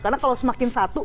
karena kalau semakin satu